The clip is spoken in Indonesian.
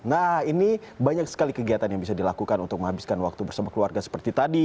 nah ini banyak sekali kegiatan yang bisa dilakukan untuk menghabiskan waktu bersama keluarga seperti tadi